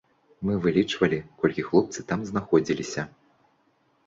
Мы вылічвалі, колькі хлопцы там знаходзіліся.